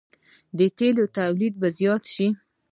د تیلو تولید به زیات شي.